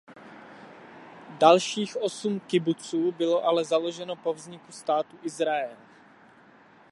Dalších osm kibuců bylo ale založeno po vzniku státu Izrael.